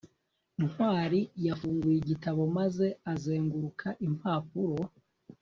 ntwali yafunguye igitabo maze azenguruka impapuro